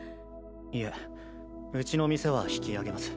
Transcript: いえうちの店は引き揚げます。